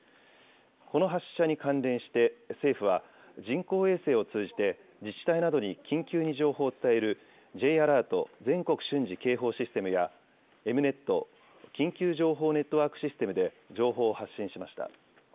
この発射に関連して、政府は、人工衛星を通じて自治体などに緊急に情報を伝えるＪアラート・全国瞬時警報システムや、Ｅｍ−Ｎｅｔ・緊急情報ネットワークシステムで情報を発信しました。